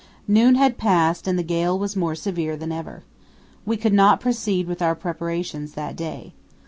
Noon had passed and the gale was more severe than ever. We could not proceed with our preparations that day.